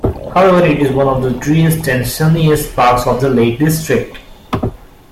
However it is one of the driest and sunniest parts of the Lake District.